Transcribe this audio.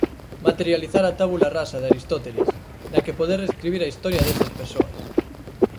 Materializar a tabula rasa de Aristóteles, na que poder reescribir a historia desas persoas.